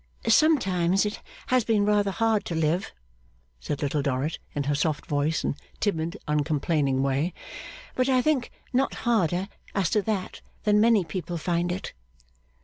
'Sometimes it has been rather hard to live,' said Little Dorrit, in her soft voice, and timid uncomplaining way; 'but I think not harder as to that than many people find it.